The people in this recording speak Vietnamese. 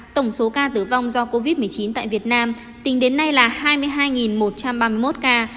tổng số ca tử vong do covid một mươi chín tại việt nam tính đến nay là hai mươi hai một trăm ba mươi một ca